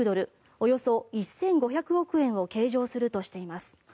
およそ１５００億円を計上するとしています。